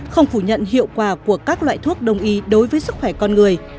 không phủ nhận hiệu quả của các loại thuốc đồng ý đối với sức khỏe con người